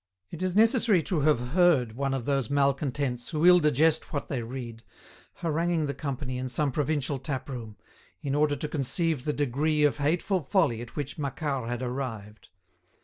It is necessary to have heard one of those malcontents who ill digest what they read, haranguing the company in some provincial taproom, in order to conceive the degree of hateful folly at which Macquart had arrived.